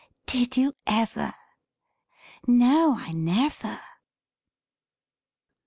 " Did you ever ?"" No I never